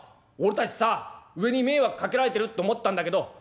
俺たちさ上に迷惑かけられてるって思ってたんだけど